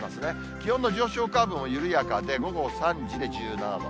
気温の上昇カーブも緩やかで、午後３時で１７度。